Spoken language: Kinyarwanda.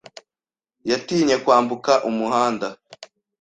yatinye kwambuka umuhanda.